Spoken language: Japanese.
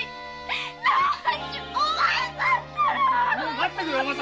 待ってくれお政。